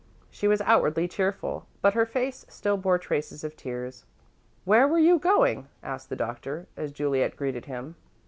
She was outwardly cheerful, but her face still bore traces of tears. "Where were you going?" asked the Doctor, as Juliet greeted him.